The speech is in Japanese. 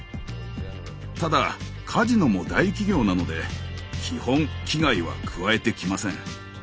ただカジノも大企業なので基本危害は加えてきません。